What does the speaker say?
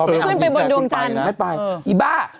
อ๋อไม่เอาอย่างนั้นคุณไปนะไม่ไปอีบ้า